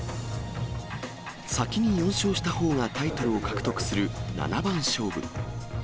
先に４勝したほうがタイトルを獲得する七番勝負。